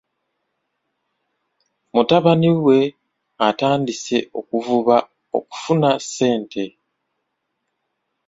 Mutabani we atandise okuvuba okufuna ssente.